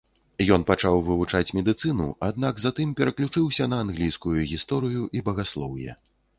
Ён пачаў вывучаць медыцыну, аднак затым пераключыўся на англійскую гісторыю і багаслоўе.